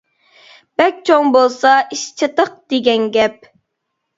بەك چوڭ بولسا ئىش چاتاق دېگەن گەپ.